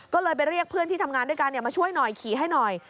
ก็เลยไปเรียกเพื่อนที่ทำงานด้วยกันมาช่วยหน่อยขี่ให้หน่อย